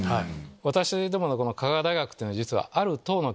私どもの香川大学というのは実は。